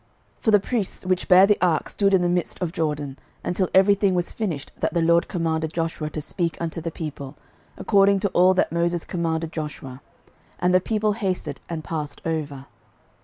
06:004:010 For the priests which bare the ark stood in the midst of Jordan, until everything was finished that the LORD commanded Joshua to speak unto the people, according to all that Moses commanded Joshua: and the people hasted and passed over.